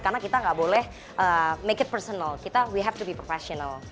karena kita gak boleh make it personal kita we have to be professional